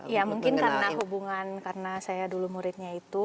ya mungkin karena hubungan karena saya dulu muridnya itu